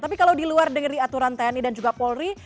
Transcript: tapi kalau di luar dari aturan tni dan juga polri